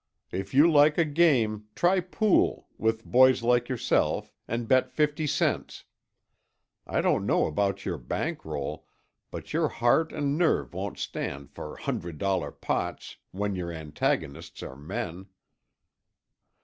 "If you like a game, try pool, with boys like yourself, and bet fifty cents. I don't know about your bank roll, but your heart and nerve won't stand for hundred dollar pots when your antagonists are men."